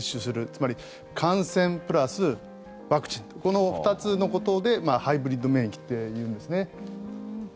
つまり、感染プラス、ワクチンこの２つのことでハイブリッド免疫っていうんですね。